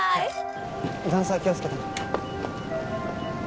段差気をつけて。